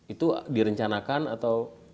itu direncanakan atau